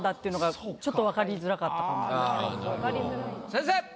先生！